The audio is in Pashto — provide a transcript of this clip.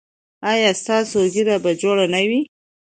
ایا ستاسو ږیره به جوړه نه وي؟